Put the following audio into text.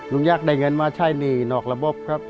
ลุงยากได้เงินมาใช้หนี่นอกระบบครับ